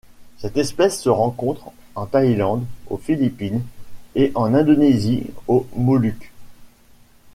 Cette espèce se rencontre en Thaïlande, aux Philippines et en Indonésie aux Moluques.